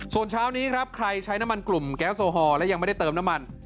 ส่วนเช้านี้ครับใครใช้น้ำมันกลุ่มแก๊สโอฮอลและยังไม่ได้เติมน้ำมัน